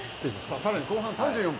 さらに後半３４分。